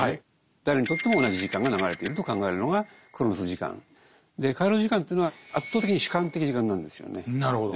誰にとっても同じ時間が流れていると考えるのがクロノス時間。でカイロス時間というのは圧倒的に主観的時間なんですよね。